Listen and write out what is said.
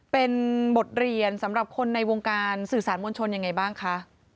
เป็นบทเรียนสำหรับคนในวงการสื่อสารมวลชนยังไงบ้างคะ